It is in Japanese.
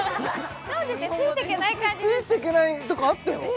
ついてけないとこあったよ